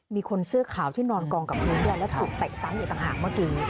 มีคนเสื้อขาวที่นอนกองกับพื้นแล้วถูกเตะซ้ำอยู่ต่างหากเมื่อกี้